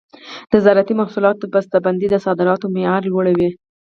د زراعتي محصولاتو بسته بندي د صادراتو معیار لوړوي.